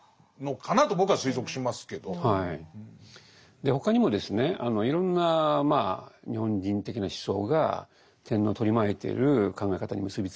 で他にもですねいろんなまあ日本人的な思想が天皇を取り巻いている考え方に結び付いてると言われていて